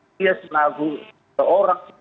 dia menangguh seorang